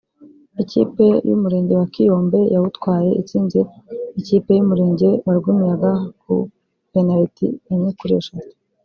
ikipe y’Umurenge wa Kiyombe yawutwaye itsinze ikipe y’Umurenge wa Rwimiyaga ku penaliti enye kuri eshatu